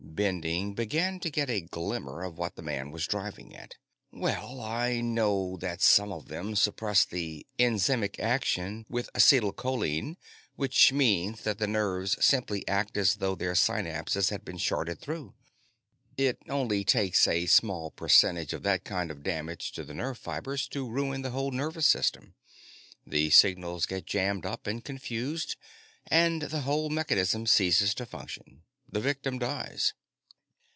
Bending began to get a glimmer of what the man was driving at. "Well, I know that some of them suppress the enzymic action with acetylcholine, which means that the nerves simply act as though their synapses had been shorted through. It only takes a small percentage of that kind of damage to the nerve fibers to ruin the whole nervous system. The signals get jammed up and confused, and the whole mechanism ceases to function. The victim dies."